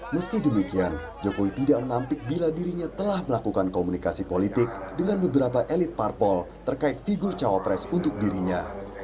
meski demikian jokowi tidak menampik bila dirinya telah melakukan komunikasi politik dengan beberapa elit parpol terkait figur cawapres untuk dirinya